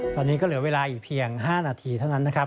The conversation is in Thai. ตอนนี้ก็เหลือเวลาอีกเพียง๕นาทีเท่านั้นนะครับ